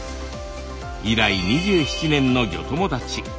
以来２７年のギョ友達。